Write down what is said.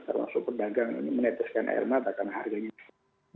karena super dagang ini meneteskan air mata karena harganya